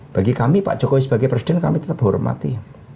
bagi kami pak jokowi sebagai presiden kami tetap hormati